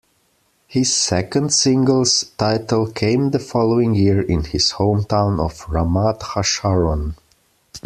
His second singles title came the following year in his hometown of Ramat Hasharon.